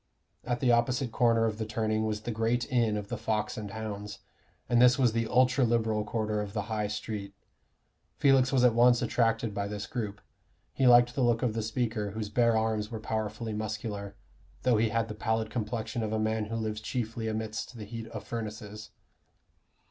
At the opposite corner of the turning was the great inn of the Fox and Hounds, and this was the ultra Liberal quarter of the High street. Felix was at once attracted by this group; he liked the look of the speaker, whose bare arms were powerfully muscular, though he had the pallid complexion of a man who lives chiefly amidst the heat of furnaces.